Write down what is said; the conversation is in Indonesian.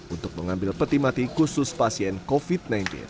untuk mengambil peti mati khusus pasien covid sembilan belas